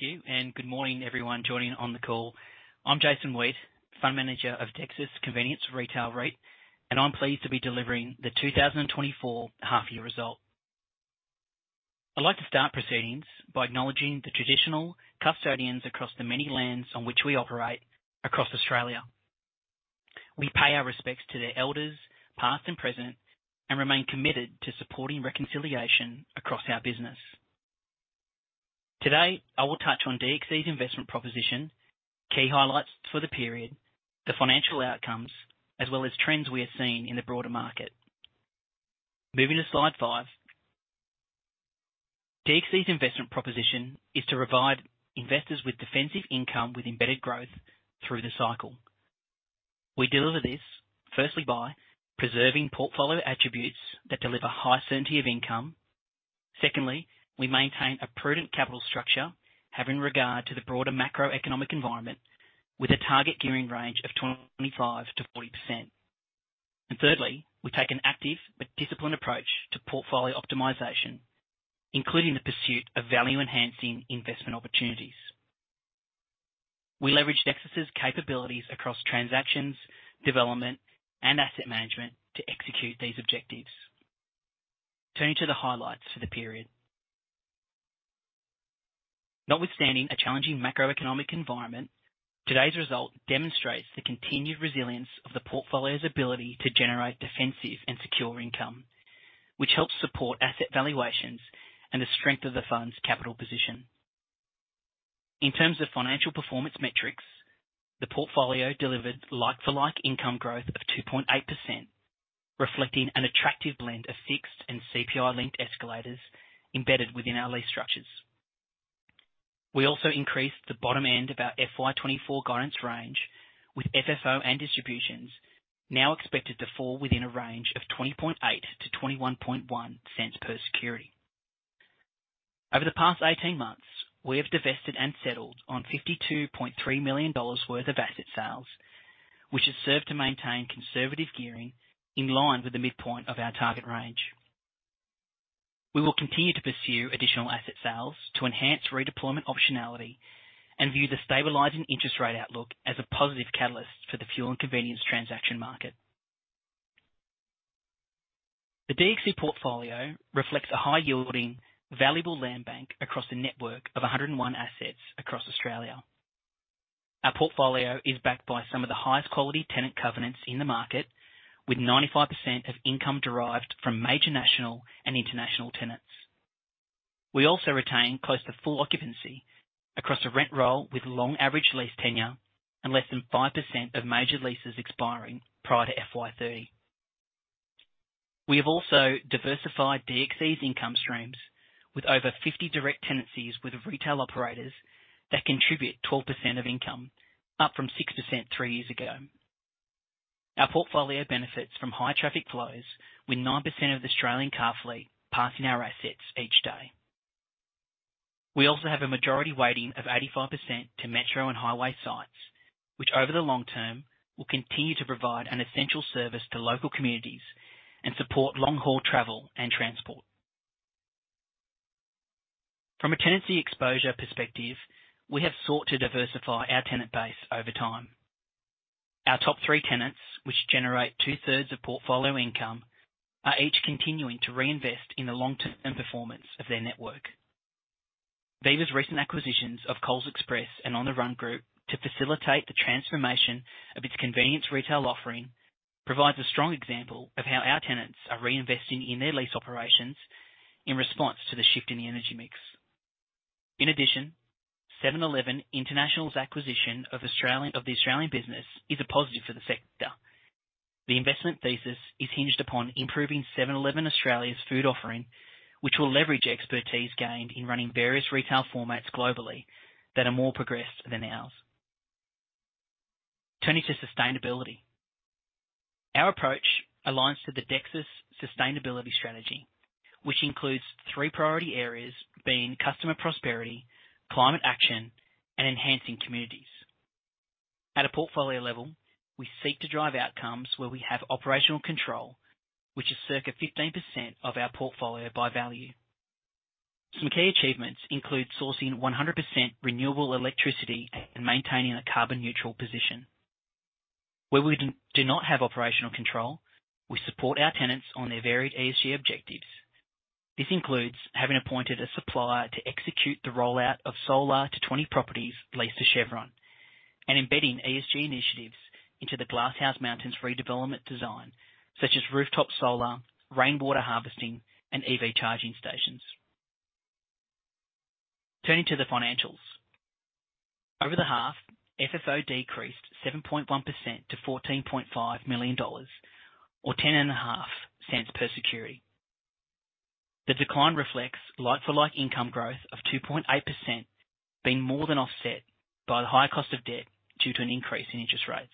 Thank you, and good morning, everyone joining on the call. I'm Jason Weate, Fund Manager of Dexus Convenience Retail REIT, and I'm pleased to be delivering the 2024 half year result. I'd like to start proceedings by acknowledging the traditional custodians across the many lands on which we operate across Australia. We pay our respects to their elders, past and present, and remain committed to supporting reconciliation across our business. Today, I will touch on DXC's investment proposition, key highlights for the period, the financial outcomes, as well as trends we are seeing in the broader market. Moving to slide five. DXC's investment proposition is to provide investors with defensive income, with embedded growth through the cycle. We deliver this firstly, by preserving portfolio attributes that deliver high certainty of income. Secondly, we maintain a prudent capital structure, having regard to the broader macroeconomic environment with a target gearing range of 25%-40%. And thirdly, we take an active but disciplined approach to portfolio optimization, including the pursuit of value-enhancing investment opportunities. We leverage Dexus' capabilities across transactions, development, and asset management to execute these objectives. Turning to the highlights for the period. Notwithstanding a challenging macroeconomic environment, today's result demonstrates the continued resilience of the portfolio's ability to generate defensive and secure income, which helps support asset valuations and the strength of the fund's capital position. In terms of financial performance metrics, the portfolio delivered like-for-like income growth of 2.8%, reflecting an attractive blend of fixed and CPI-linked escalators embedded within our lease structures. We also increased the bottom end of our FY 2024 guidance range, with FFO and distributions now expected to fall within a range of 20.8-21.1 per security. Over the past 18 months, we have divested and settled on 52.3 million dollars worth of asset sales, which has served to maintain conservative gearing in line with the midpoint of our target range. We will continue to pursue additional asset sales to enhance redeployment optionality and view the stabilizing interest rate outlook as a positive catalyst for the fuel and convenience transaction market. The DXC portfolio reflects a high-yielding, valuable land bank across a network of 101 assets across Australia. Our portfolio is backed by some of the highest quality tenant covenants in the market, with 95% of income derived from major national and international tenants. We also retain close to full occupancy across a rent roll, with long average lease tenure and less than 5% of major leases expiring prior to FY 2030. We have also diversified DXC's income streams with over 50 direct tenancies with retail operators that contribute 12% of income, up from 6% three years ago. Our portfolio benefits from high traffic flows, with 9% of the Australian car fleet passing our assets each day. We also have a majority weighting of 85% to metro and highway sites, which over the long-term will continue to provide an essential service to local communities and support long-haul travel and transport. From a tenancy exposure perspective, we have sought to diversify our tenant base over time. Our top three tenants, which generate 2/3 of portfolio income, are each continuing to reinvest in the long-term performance of their network. Viva's recent acquisitions of Coles Express and On the Run Group, to facilitate the transformation of its Convenience Retail offering, provides a strong example of how our tenants are reinvesting in their lease operations in response to the shift in the energy mix. In addition, 7-Eleven International's acquisition of the Australian business is a positive for the sector. The investment thesis is hinged upon improving 7-Eleven Australia's food offering, which will leverage expertise gained in running various retail formats globally that are more progressed than ours. Turning to sustainability. Our approach aligns to the Dexus sustainability strategy, which includes three priority areas, being customer prosperity, climate action and enhancing communities. At a portfolio level, we seek to drive outcomes where we have operational control, which is circa 15% of our portfolio by value. Some key achievements include sourcing 100% renewable electricity and maintaining a carbon neutral position. Where we do not have operational control, we support our tenants on their varied ESG objectives. This includes having appointed a supplier to execute the rollout of solar to 20 properties leased to Chevron and embedding ESG initiatives into the Glass House Mountains redevelopment design, such as rooftop solar, rainwater harvesting, and EV charging stations. Turning to the financials. Over the half, FFO decreased 7.1% to 14.5 million dollars, or 0.105 per security. The decline reflects like-for-like income growth of 2.8%, being more than offset by the high cost of debt due to an increase in interest rates.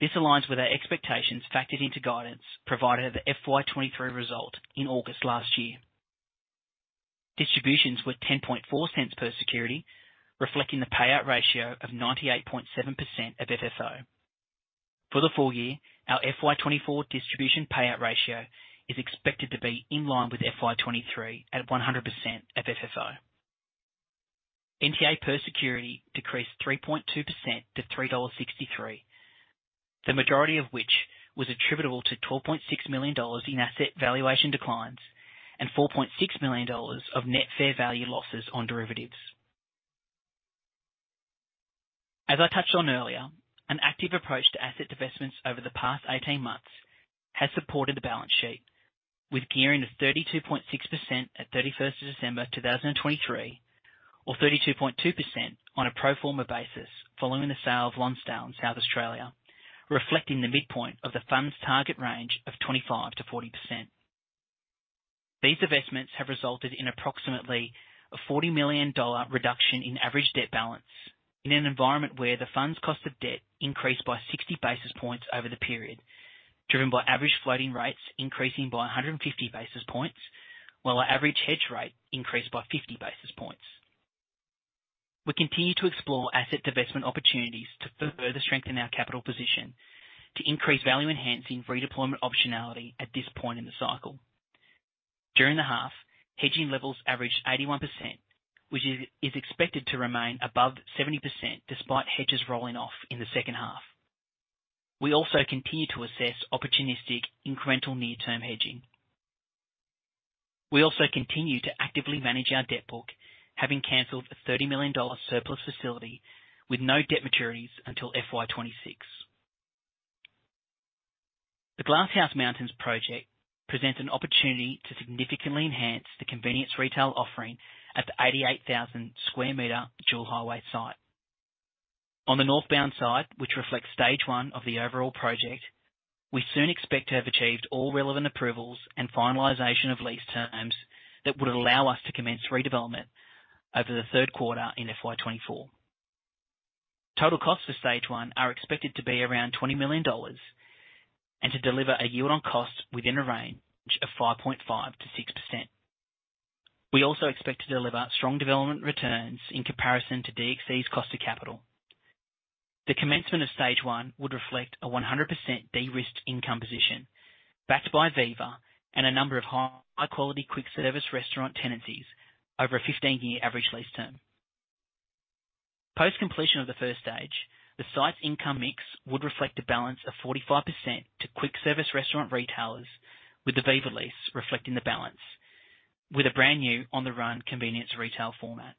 This aligns with our expectations factored into guidance provided at the FY 2023 result in August last year. Distributions were 10.4 per security, reflecting the payout ratio of 98.7% of FFO. For the full year, our FY 2024 distribution payout ratio is expected to be in line with FY 2023, at 100% of FFO. NTA per security decreased 3.2% to 3.63 dollar, the majority of which was attributable to 12.6 million dollars in asset valuation declines and 4.6 million dollars of net fair value losses on derivatives. As I touched on earlier, an active approach to asset divestments over the past 18 months has supported the balance sheet, with gearing of 32.6% at 31st of December, 2023, or 32.2% on a pro forma basis, following the sale of Lonsdale in South Australia, reflecting the midpoint of the fund's target range of 25%-40%. These investments have resulted in approximately a 40 million dollar reduction in average debt balance, in an environment where the fund's cost of debt increased by 60 basis points over the period, driven by average floating rates increasing by 150 basis points, while our average hedge rate increased by 50 basis points. We continue to explore asset divestment opportunities to further strengthen our capital position, to increase value-enhancing redeployment optionality at this point in the cycle. During the half, hedging levels averaged 81%, which is expected to remain above 70%, despite hedges rolling off in the second half. We also continue to assess opportunistic incremental near-term hedging. We also continue to actively manage our debt book, having canceled a 30 million dollar surplus facility with no debt maturities until FY 2026. The Glasshouse Mountains project presents an opportunity to significantly enhance the Convenience Retail offering at the 88,000 sq m dual highway site. On the northbound side, which reflects stage one of the overall project, we soon expect to have achieved all relevant approvals and finalization of lease terms that would allow us to commence redevelopment over the third quarter in FY 2024. Total costs for stage one are expected to be around 20 million dollars and to deliver a yield on cost within a range of 5.5%-6%. We also expect to deliver strong development returns in comparison to DXC's cost of capital. The commencement of stage one would reflect a 100% de-risked income position, backed by Viva and a number of high-quality quick service restaurant tenancies over a 15-year average lease term. Post completion of the first stage, the site's income mix would reflect a balance of 45% to quick service restaurant retailers, with the Viva lease reflecting the balance, with a brand new on-the-run Convenience Retail format.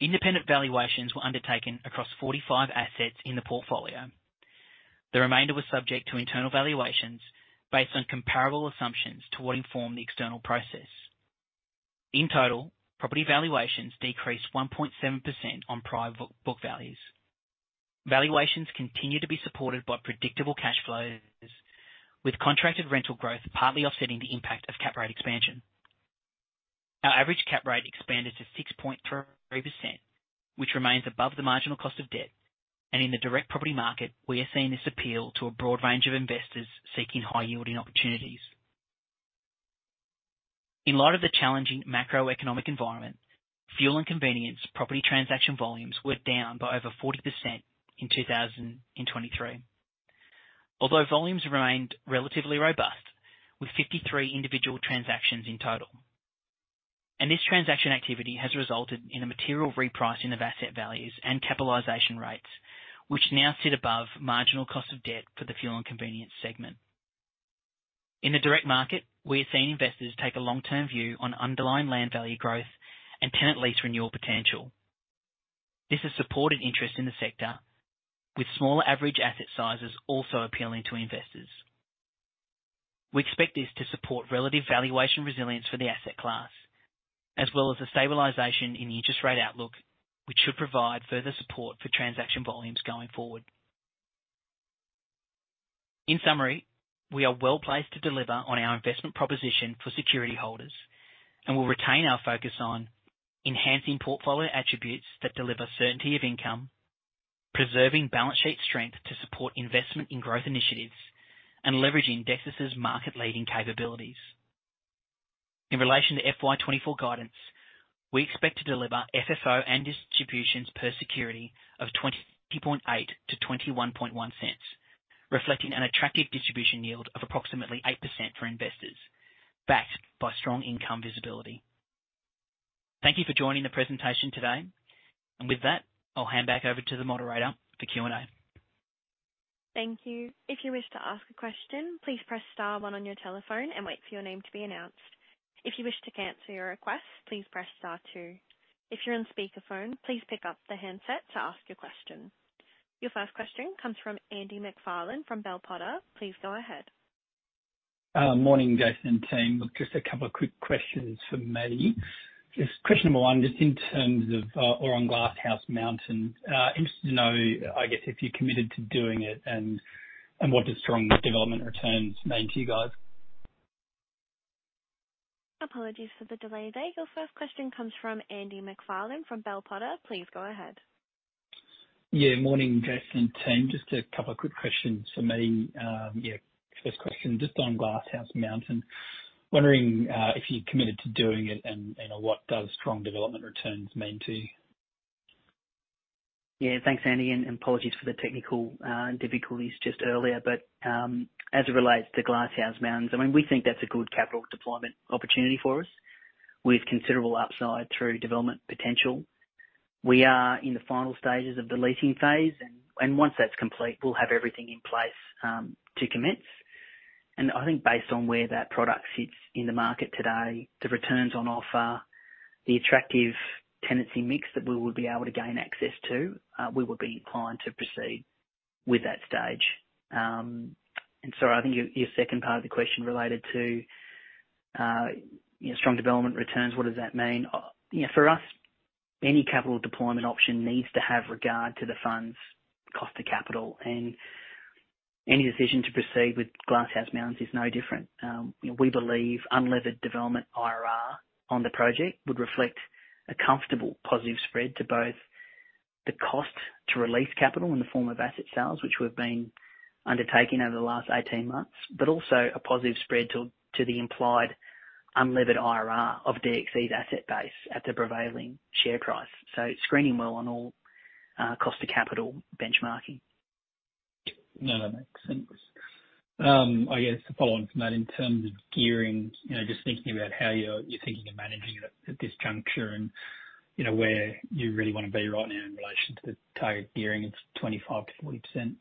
Independent valuations were undertaken across 45 assets in the portfolio. The remainder was subject to internal valuations based on comparable assumptions to what informed the external process. In total, property valuations decreased 1.7% on prior book values. Valuations continue to be supported by predictable cash flows, with contracted rental growth partly offsetting the impact of cap rate expansion. Our average cap rate expanded to 6.3%, which remains above the marginal cost of debt, and in the direct property market, we are seeing this appeal to a broad range of investors seeking high-yielding opportunities. In light of the challenging macroeconomic environment, fuel and convenience, property transaction volumes were down by over 40% in 2023. Although volumes remained relatively robust, with 53 individual transactions in total. This transaction activity has resulted in a material repricing of asset values and capitalization rates, which now sit above marginal cost of debt for the fuel and convenience segment. In the direct market, we are seeing investors take a long-term view on underlying land value growth and tenant lease renewal potential. This has supported interest in the sector, with smaller average asset sizes also appealing to investors. We expect this to support relative valuation resilience for the asset class, as well as a stabilization in the interest rate outlook, which should provide further support for transaction volumes going forward. In summary, we are well placed to deliver on our investment proposition for security holders, and will retain our focus on enhancing portfolio attributes that deliver certainty of income, preserving balance sheet strength to support investment in growth initiatives, and leveraging Dexus's market-leading capabilities. In relation to FY 2024 guidance, we expect to deliver FFO and distributions per security of 0.208-0.211, reflecting an attractive distribution yield of approximately 8% for investors, backed by strong income visibility. Thank you for joining the presentation today. With that, I'll hand back over to the moderator for Q&A. Thank you. If you wish to ask a question, please press star one on your telephone and wait for your name to be announced. If you wish to cancel your request, please press star two. If you're on speakerphone, please pick up the handset to ask your question. Your first question comes from Andy McFarlane from Bell Potter. Please go ahead. Morning, Jason and team. Just a couple of quick questions from me. Just question number one, just in terms of, on Glasshouse Mountains, interested to know, I guess, if you're committed to doing it, and, and what does strong development returns mean to you guys? Apologies for the delay there. Your first question comes from Andy McFarlane from Bell Potter. Please go ahead. Yeah, morning, Jason and team. Just a couple of quick questions from me. Yeah, first question, just on Glasshouse Mountains. Wondering if you're committed to doing it, and what does strong development returns mean to you? Yeah, thanks, Andy, and apologies for the technical difficulties just earlier. But as it relates to Glasshouse Mountains, I mean, we think that's a good capital deployment opportunity for us, with considerable upside through development potential. We are in the final stages of the leasing phase, and once that's complete, we'll have everything in place to commence. And I think based on where that product sits in the market today, the returns on offer, the attractive tenancy mix that we will be able to gain access to, we will be inclined to proceed with that stage. And sorry, I think your second part of the question related to, you know, strong development returns, what does that mean? You know, for us, any capital deployment option needs to have regard to the fund's cost to capital, and any decision to proceed with Glass House Mountains is no different. We believe unlevered development IRR on the project would reflect a comfortable positive spread to both the cost to release capital in the form of asset sales, which we've been undertaking over the last 18 months, but also a positive spread to the implied unlevered IRR of DXC's asset base at the prevailing share price. So it's screening well on all cost to capital benchmarking. No, that makes sense. I guess to follow on from that, in terms of gearing, you know, just thinking about how you're thinking and managing it at this juncture, and, you know, where you really want to be right now in relation to the target gearing, it's 25%-40%.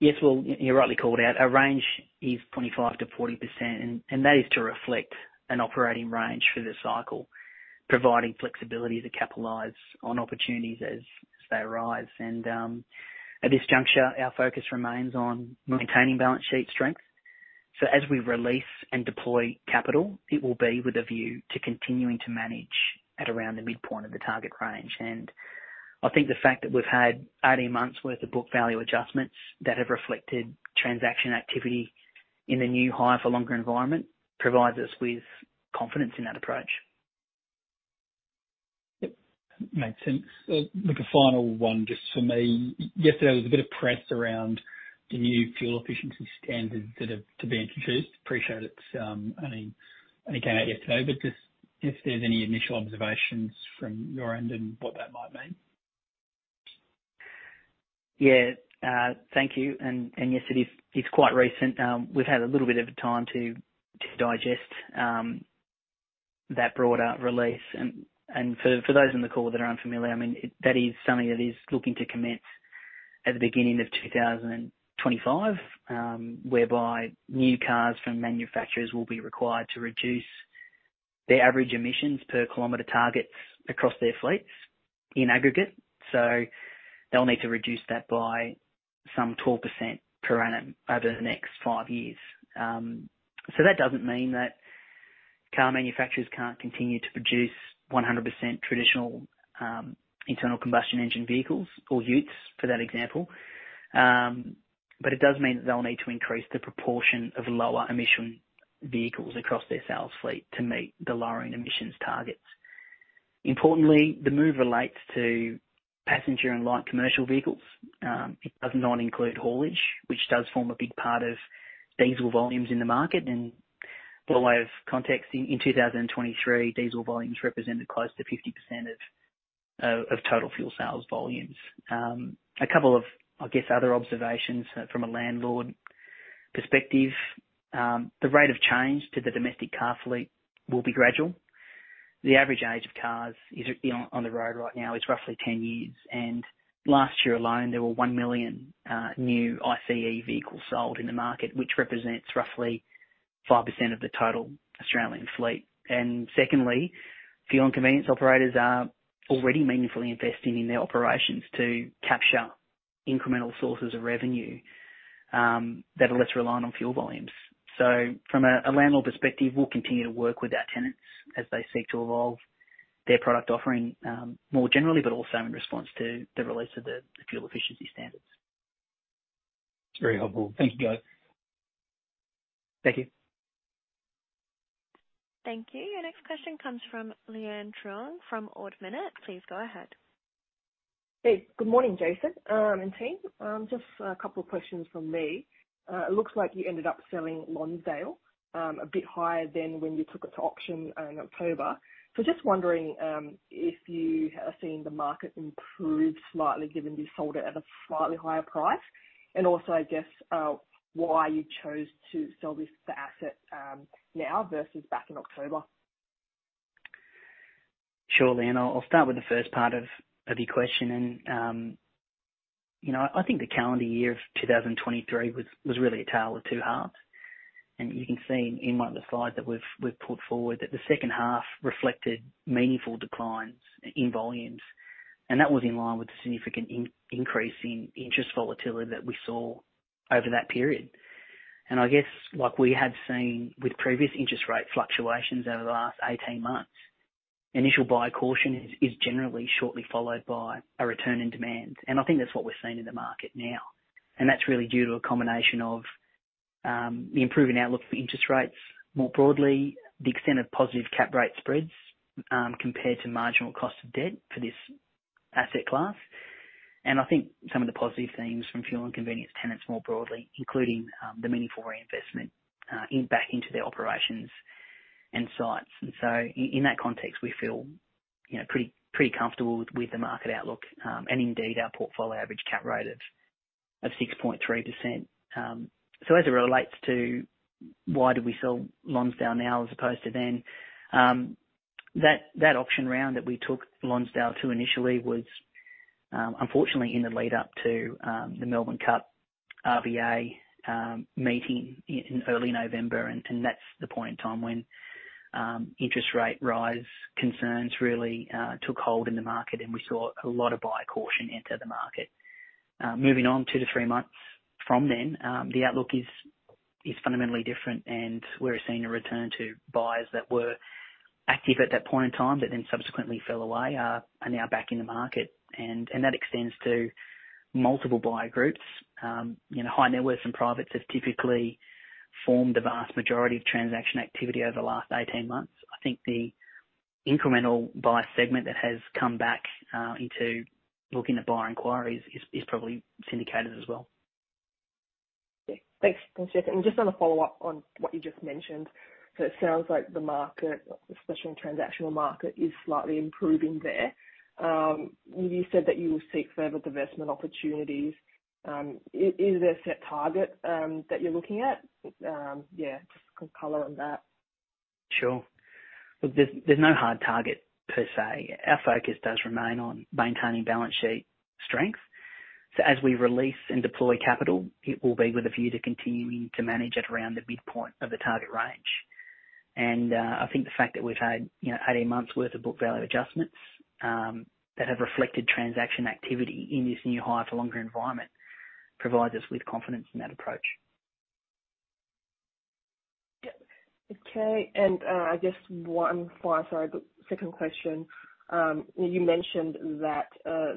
Yes, well, you rightly called out our range is 25%-40%, and that is to reflect an operating range for the cycle, providing flexibility to capitalize on opportunities as they arise. And at this juncture, our focus remains on maintaining balance sheet strength. So as we release and deploy capital, it will be with a view to continuing to manage at around the midpoint of the target range. And I think the fact that we've had 18 months worth of book value adjustments that have reflected transaction activity in the new higher for longer environment, provides us with confidence in that approach. Yep, makes sense. Look, a final one just for me. Yesterday, there was a bit of press around the new fuel efficiency standards that are to be introduced. Appreciate it's only came out yesterday, but just if there's any initial observations from your end and what that might mean. Yeah, thank you. And yes, it is. It's quite recent. We've had a little bit of time to digest that broader release. And for those on the call that are unfamiliar, I mean, that is something that is looking to commence at the beginning of 2025, whereby new cars from manufacturers will be required to reduce their average emissions per kilometer targets across their fleets in aggregate. So they'll need to reduce that by some 12% per annum over the next five years. So that doesn't mean that car manufacturers can't continue to produce 100% traditional internal combustion engine vehicles or utes for that example. But it does mean that they'll need to increase the proportion of lower emission vehicles across their sales fleet to meet the lowering emissions targets. Importantly, the move relates to passenger and light commercial vehicles. It does not include haulage, which does form a big part of diesel volumes in the market. By way of context, in 2023, diesel volumes represented close to 50% of total fuel sales volumes. A couple of, I guess, other observations from a landlord perspective, the rate of change to the domestic car fleet will be gradual. The average age of cars is, you know, on the road right now is roughly 10 years, and last year alone, there were 1 million new ICE vehicles sold in the market, which represents roughly 5% of the total Australian fleet. Secondly, fuel and convenience operators are already meaningfully investing in their operations to capture incremental sources of revenue that are less reliant on fuel volumes. So from a landlord perspective, we'll continue to work with our tenants as they seek to evolve their product offering, more generally, but also in response to the release of the fuel efficiency standards. Very helpful. Thank you, guys. Thank you. Thank you. Our next question comes from Leanne Truong from Ord Minnett. Please go ahead. Hey, good morning, Jason, and team. Just a couple of questions from me. It looks like you ended up selling Lonsdale, a bit higher than when you took it to auction in October. So just wondering if you have seen the market improve slightly, given you sold it at a slightly higher price? And also, I guess, why you chose to sell this, the asset, now versus back in October. Sure, Leanne, I'll start with the first part of your question, and you know, I think the calendar year of 2023 was really a tale of two halves. And you can see in one of the slides that we've put forward, that the second half reflected meaningful declines in volumes, and that was in line with the significant increase in interest volatility that we saw over that period. And I guess, like we had seen with previous interest rate fluctuations over the last 18 months, initial buyer caution is generally shortly followed by a return in demand. And I think that's what we're seeing in the market now, and that's really due to a combination of the improving outlook for interest rates more broadly, the extent of positive cap rate spreads compared to marginal cost of debt for this asset class. And I think some of the positive themes from fuel and convenience tenants more broadly, including the meaningful reinvestment back into their operations and sites. And so in that context, we feel, you know, pretty, pretty comfortable with, with the market outlook, and indeed, our portfolio average cap rate of 6.3%. So as it relates to why did we sell Lonsdale now as opposed to then, that that auction round that we took Lonsdale to initially was, unfortunately, in the lead-up to, the Melbourne Cup RBA, meeting in, in early November, and, and that's the point in time when, interest rate rise concerns really, took hold in the market, and we saw a lot of buyer caution enter the market. Moving on two to three months from then, the outlook is, is fundamentally different, and we're seeing a return to buyers that were active at that point in time, but then subsequently fell away, are now back in the market, and, and that extends to multiple buyer groups. You know, high net worth and privates have typically formed the vast majority of transaction activity over the last 18 months. I think the incremental buyer segment that has come back into looking at buyer inquiries is probably syndicated as well. Okay, thanks. Thanks, Jason. Just on a follow-up on what you just mentioned, so it sounds like the market, especially in transactional market, is slightly improving there. You said that you will seek further divestment opportunities. Is there a set target that you're looking at? Yeah, just color on that. Sure. Look, there's no hard target per se. Our focus does remain on maintaining balance sheet strength. So as we release and deploy capital, it will be with a view to continuing to manage at around the midpoint of the target range. And, I think the fact that we've had, you know, 18 months' worth of book value adjustments, that have reflected transaction activity in this new higher-for-longer environment, provides us with confidence in that approach. Yep. Okay, and I guess one final, sorry, but second question. You mentioned that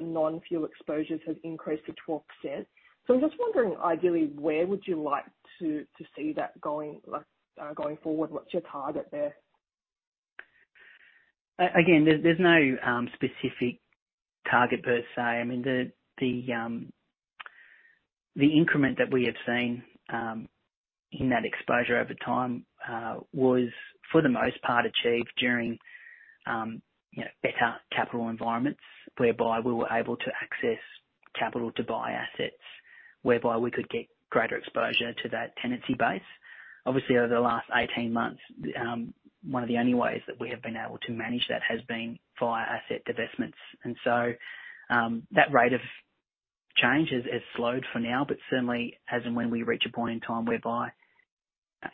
non-fuel exposures have increased to 12%. So I'm just wondering, ideally, where would you like to, to see that going, like going forward? What's your target there? Again, there's no specific target per se. I mean, the increment that we have seen in that exposure over time was, for the most part, achieved during, you know, better capital environments, whereby we were able to access capital to buy assets, whereby we could get greater exposure to that tenancy base. Obviously, over the last 18 months, one of the only ways that we have been able to manage that has been via asset divestments. And so, that rate of change has slowed for now, but certainly, as and when we reach a point in time whereby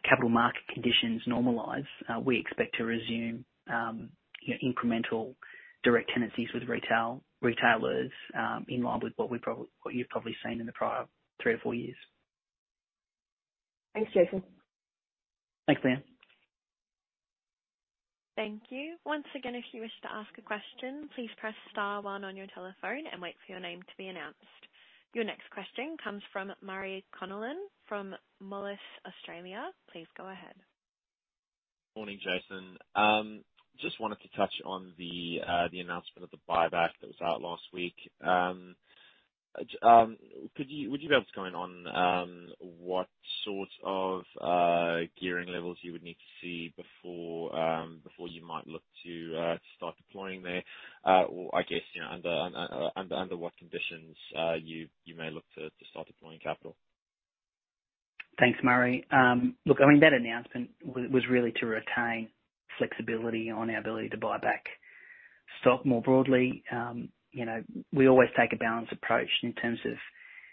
capital market conditions normalize, we expect to resume, you know, incremental direct tenancies with retailers in line with what you've probably seen in the prior three or four years. Thanks, Jason. Thanks, Leanne. Thank you. Once again, if you wish to ask a question, please press star one on your telephone and wait for your name to be announced. Your next question comes from Murray Connellan from Moelis Australia. Please go ahead. Morning, Jason. Just wanted to touch on the announcement of the buyback that was out last week. Would you be able to comment on what sorts of gearing levels you would need to see before you might look to start deploying there? Or I guess, you know, under what conditions you may look to start deploying capital? Thanks, Murray. Look, I mean, that announcement was really to retain flexibility on our ability to buy back stock more broadly. You know, we always take a balanced approach in terms of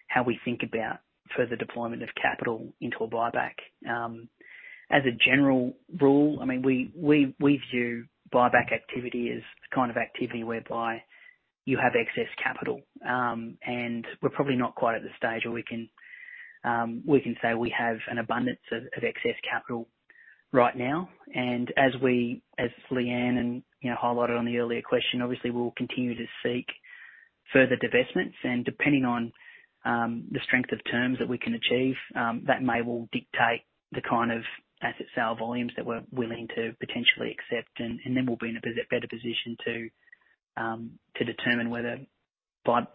how we think about further deployment of capital into a buyback. As a general rule, I mean, we view buyback activity as the kind of activity whereby you have excess capital. And we're probably not quite at the stage where we can say we have an abundance of excess capital right now. And as Leanne, and you know, highlighted on the earlier question, obviously, we'll continue to seek further divestments, and depending on the strength of terms that we can achieve, that may well dictate the kind of asset sale volumes that we're willing to potentially accept. Then we'll be in a better position to determine whether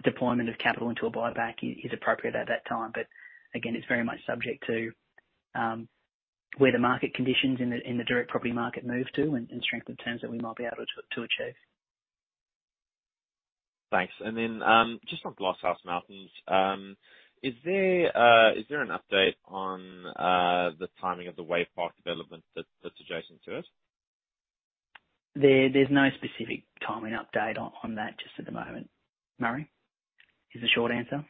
deployment of capital into a buyback is appropriate at that time. But again, it's very much subject to where the market conditions in the direct property market move to, and strength of terms that we might be able to achieve. Thanks. And then, just on Glasshouse Mountains, is there an update on the timing of the wave park development that's adjacent to it? There, there's no specific timing update on that just at the moment, Murray, is the short answer.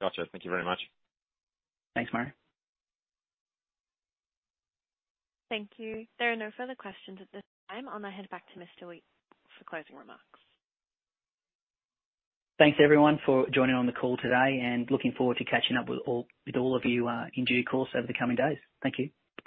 Gotcha. Thank you very much. Thanks, Murray. Thank you. There are no further questions at this time. I'll now head back to Mr. Weate for closing remarks. Thanks, everyone, for joining on the call today, and looking forward to catching up with all, with all of you, in due course over the coming days. Thank you.